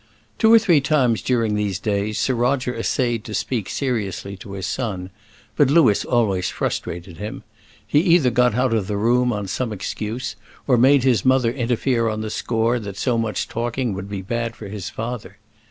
Two or three times during these days Sir Roger essayed to speak seriously to his son; but Louis always frustrated him. He either got out of the room on some excuse, or made his mother interfere on the score that so much talking would be bad for his father.